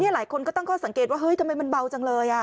หลายคนก็ตั้งข้อสังเกตว่าเฮ้ยทำไมมันเบาจังเลย